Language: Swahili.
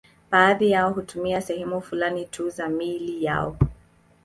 Baadhi yao hutumia sehemu fulani tu za miili yao.